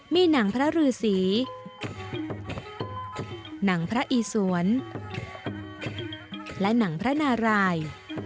มีหนังพระรือสีหนังพระอีสวนและหนังพระนาราย